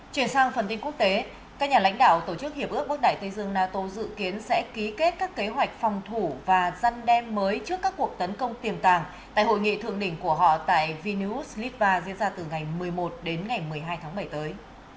chuyển sang phần tin quốc tế các nhà lãnh đạo tổ chức hiệp ước bắc đại tây dương nato dự kiến sẽ ký kết các kế hoạch phòng thủ và răn đe mới trước các cuộc tấn công tiềm tàng tại hội nghị thượng đỉnh của họ tại vinius litva diễn ra từ ngày một mươi một đến ngày một mươi hai tháng bảy tới